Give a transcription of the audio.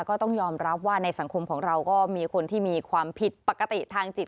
ก็ต้องยอมรับว่าในสังคมของเราก็มีคนที่มีความผิดปกติทางจิต